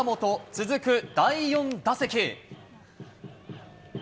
続く第４打席。